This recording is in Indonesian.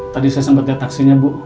tadi saya sempet liat taksinya bu